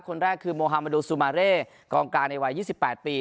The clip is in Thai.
คนแรกคือโมฮามาดูซูมาเร่กองกลางในวัย๒๘ปี